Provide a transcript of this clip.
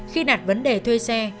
khi đặt vấn đề thuê xe